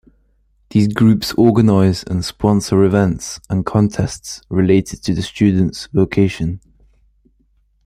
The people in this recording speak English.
These groups organize and sponsor events and contests related to the student's vocation.